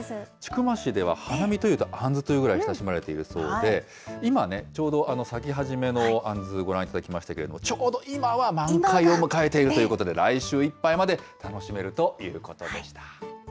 千曲市では花見というとあんずというぐらい親しまれているそうで、今ね、ちょうど咲き始めのあんず、ご覧いただきましたけれども、ちょうど今は満開を迎えているということで、来週いっぱいまで楽しめるということでした。